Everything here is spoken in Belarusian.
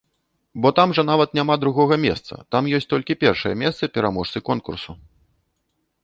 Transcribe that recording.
Бо там жа нават няма другога месца, там ёсць толькі першае месца пераможцы конкурсу.